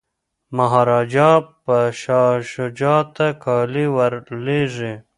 مهاراجا به شاه شجاع ته کالي ور لیږي.